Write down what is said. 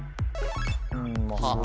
まあ